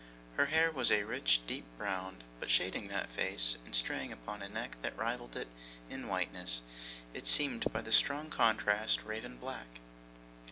Her hair was a rich deep brown, but shading that face, and straying upon a neck that rivalled it in whiteness, it seemed by the strong contrast raven black.